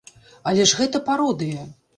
Але ж гэта пародыя!